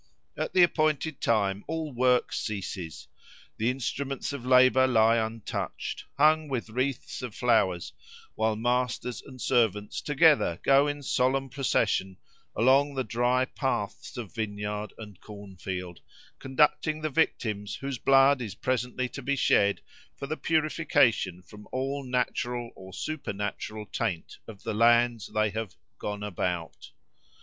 At the appointed time all work ceases; the instruments of labour lie untouched, hung with wreaths of flowers, while masters and servants together go in solemn procession along the dry paths of vineyard and cornfield, conducting the victims whose blood is presently to be shed for the purification from all natural or supernatural taint of the lands they have "gone about."